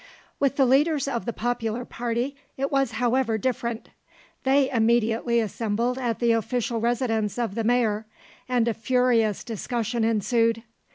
With the leaders of the Popular party it was however different. They immediately assembled at the official residence of the Mayor, and a furious discussion ensued.